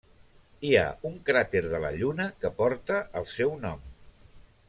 Hi ha un cràter de la Lluna que porta el seu nom.